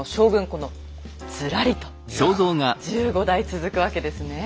このずらりと１５代続くわけですねえ。